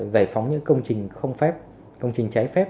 giải phóng những công trình không phép công trình trái phép